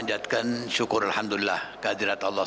dan terima kasih mudah mudahan